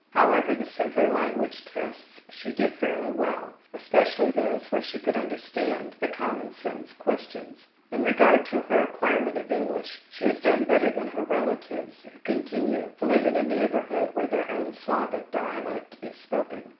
However, the simpler language tests she did fairly well, especially those where she could understand the commonsense questions. In regard to her acquirement of English, she has done better than her relatives, who continue to live in a neighborhood where their own Slavic dialect is spoken.